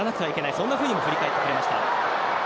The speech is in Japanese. そんなふうにも振り返ってくれました。